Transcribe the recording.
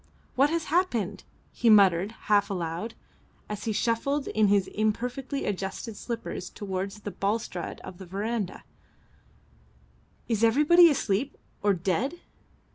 "What has happened?" he muttered half aloud, as he shuffled in his imperfectly adjusted slippers towards the balustrade of the verandah. "Is everybody asleep or dead?"